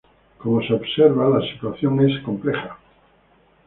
Como se observa la situación es compleja.